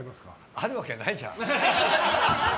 あるわけないじゃん。